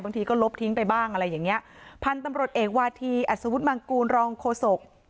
บางทีก็ลบทิ้งไปบ้างอะไรอย่างเงี้ยพันธุ์ตำรวจเอกวาธีอัศวุฒิมังกูลรองโฆษก